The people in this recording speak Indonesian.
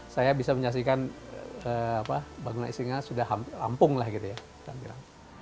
saya bisa menyaksikan bangunan isinya sudah lampung lah gitu ya tampilan